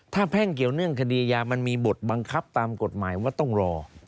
ถ้าแพ่งเกี่ยวเนื่องคดีอายามันมีบทบังคับตามกฎหมายว่าต้องรอ